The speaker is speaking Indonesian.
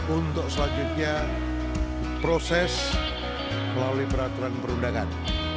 untuk selanjutnya proses melalui peraturan perundangan